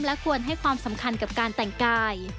และควรให้ความสำคัญกับการแต่งกาย